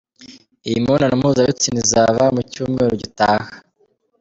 Iyi mibonano mpuzabitsina izaba mu cyumweru gitaha.